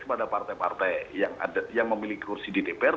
kepada partai partai yang memiliki kursi di dpr